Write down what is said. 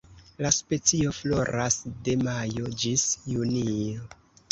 La specio floras de majo ĝis junio.